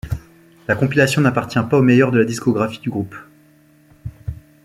La compilation n'appartient pas au meilleur de la discographie du groupe.